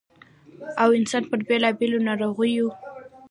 ٫ او انسـان پـر بېـلابېـلو نـاروغـيو